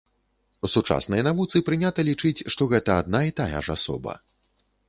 У сучаснай навуцы прынята лічыць, што гэта адна і тая ж асоба.